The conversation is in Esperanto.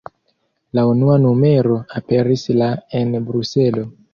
La unua numero aperis la en Bruselo.